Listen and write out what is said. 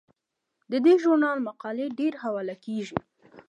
د دې ژورنال مقالې ډیرې حواله کیږي.